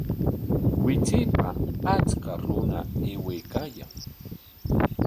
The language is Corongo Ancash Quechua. Wichaypa acha runa aywaykaayan